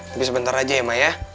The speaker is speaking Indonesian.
tapi sebentar aja ya mbak ya